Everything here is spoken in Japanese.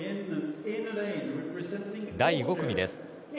第５組です。